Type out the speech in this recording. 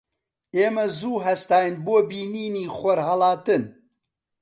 ئێمە زوو هەستاین بۆ بینینی خۆرهەڵاتن.